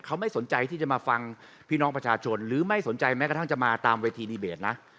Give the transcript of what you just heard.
เขาไม่สนใจที่จะมาฟังพี่น้องประชาชนหรือไม่สนใจแม้กระทั่งจะมาตามเวทีดีเบตนะ